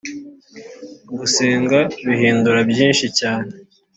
Gusenga bihindura byinshi cyane